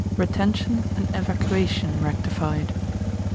Retention and Evacuation rectified.